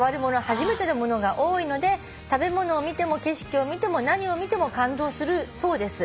初めてのものが多いので食べ物を見ても景色を見ても何を見ても感動するそうです」